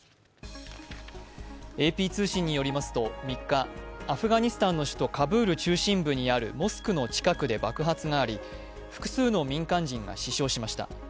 ＡＰ通信によりますと３日、アフガニスタンの首都カブール中心部にあるモスクの近くで爆発があり、複数の民間人が死傷しました。